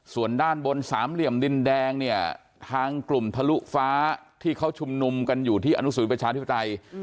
ส่วนด้านบนสามเหลี่ยมดินแดงเนี่ยทางกลุ่มทะลุฟ้าที่เขาชุมนุมกันอยู่ที่อนุสรประชาธิปไตย